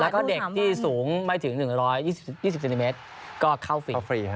แล้วก็เด็กที่สูงไม่ถึงหนึ่งร้อยยี่สิบยี่สิบเซนติเมตรก็เข้าฟรีครับ